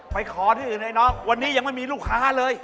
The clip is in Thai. ขอที่อื่นไอ้น้องวันนี้ยังไม่มีลูกค้าเลย